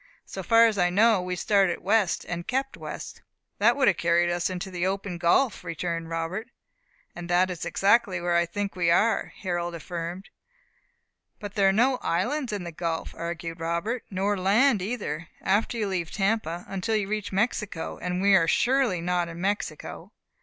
So far as I know we started west, and kept west." "That would have carried us into the open gulf," returned Robert. "And that is exactly where I think we are," Harold affirmed. "But there are no islands in the gulf," argued Robert, "nor land either, after you leave Tampa, until you reach Mexico. And we are surely not in Mexico."